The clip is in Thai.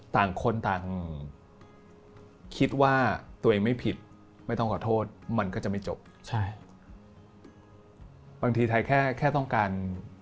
บางทีไทยแค่ต้องการ